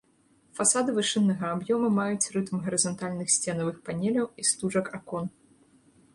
Фасады вышыннага аб'ёма маюць рытм гарызантальных сценавых панеляў і стужак акон.